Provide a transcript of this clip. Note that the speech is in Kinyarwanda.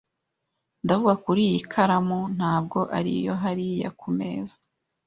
Ndavuga kuri iyi karamu, ntabwo ari iyo hariya ku meza.